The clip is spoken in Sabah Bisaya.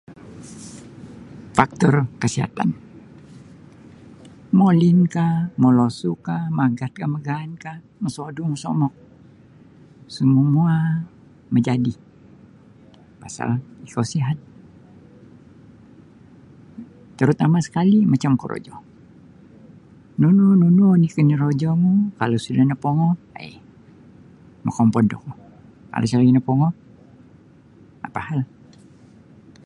Faktor kasiatan molin kah molosu kah magat kah magaan kah mosodu mosomok sumumua majadi pasal ikou sihat terutama sekali macam korojo nunu-nunu ni' korojo mu kalau suda nopongo um mokompod oku kalau isa lagi nopongo apa hal.